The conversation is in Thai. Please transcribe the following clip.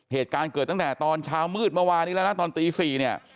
เหตุการณ์เกิดตั้งแต่ตอนเช้ามืดเมื่อวานนี้แล้วนะตอนตี๔เนี่ย